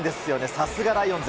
さすがライオンズ。